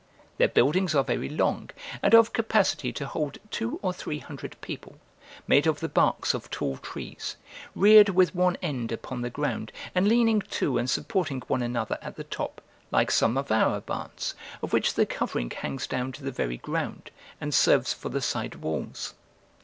Their buildings are very long, and of capacity to hold two or three hundred people, made of the barks of tall trees, reared with one end upon the ground, and leaning to and supporting one another at the top, like some of our barns, of which the covering hangs down to the very ground, and serves for the side walls.